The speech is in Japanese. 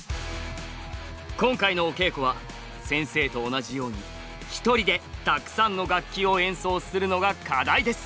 今回のお稽古は先生と同じように一人でたくさんの楽器を演奏するのが課題です。